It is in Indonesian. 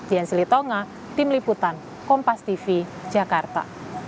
jensly tonga tim liputan kompastv jakarta